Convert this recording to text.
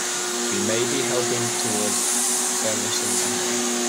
We may be helping toward furnishing the home.